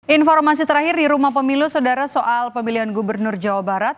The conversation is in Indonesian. informasi terakhir di rumah pemilu saudara soal pemilihan gubernur jawa barat